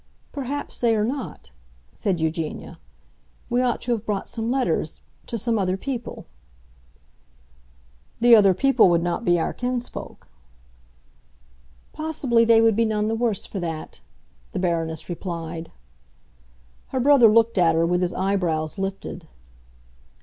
"Perhaps they are not," said Eugenia. "We ought to have brought some letters—to some other people." "The other people would not be our kinsfolk." "Possibly they would be none the worse for that," the Baroness replied. Her brother looked at her with his eyebrows lifted.